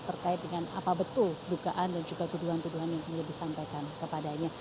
terkait dengan apa betul dugaan dan juga tuduhan tuduhan yang disampaikan kepadanya